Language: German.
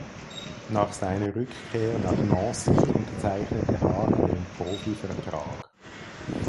Nach seiner Rückkehr nach Nancy unterzeichnete Haag einen Profivertrag.